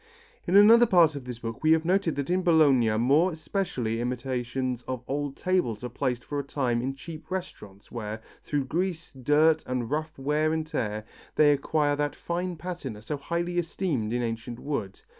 In another part of this book we have noted that in Bologna more especially imitations of old tables are placed for a time in cheap restaurants where, through grease, dirt and rough wear and tear, they acquire that fine patina so highly esteemed in ancient wood.